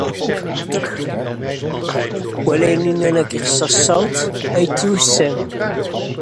Bovendien wordt gesteld dat de stem moet worden opgenomen.